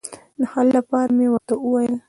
د حل لپاره مې ورته وویل.